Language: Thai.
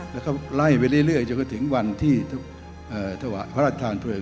แล้วก็ไล่ไว้เรื่อยจนก็ถึงวันที่พระอัตธานเผิง